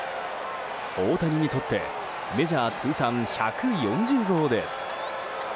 大谷にとってメジャー通算１４０号です。